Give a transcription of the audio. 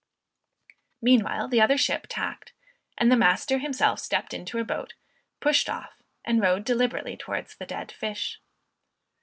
Meanwhile the other ship tacked, and the master himself stepped into a boat, pushed off and rowed deliberately towards the dead fish.